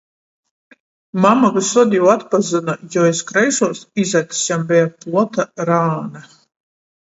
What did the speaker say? Mama vysod jū atpazyna, jo iz kreisuos izacs jam beja plota rāna.